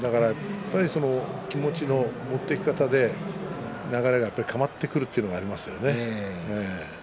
やっぱり気持ちの持っていき方で流れが変わってくるというのがありますよね。